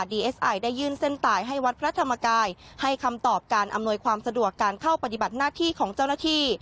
ดีเอสไอได้ยื่นเส้นตายให้วัดพระธรรมกายให้คำตอบการอำนวยความสะดวกการเข้าปฏิบัติหน้าที่ของเจ้าหน้าที่